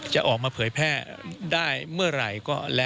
จะออกมาเผยแพร่ได้เมื่อไหร่